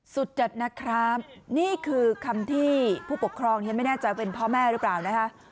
จัดนะครับนี่คือคำที่ผู้ปกครองยังไม่แน่ใจเป็นพ่อแม่หรือเปล่านะคะ